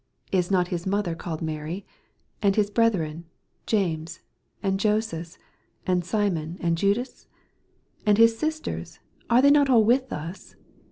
is not his mother called Mary? and his brethren, James, and Joses, and Simon, and Judas? 66 And his sisters, are they not all with us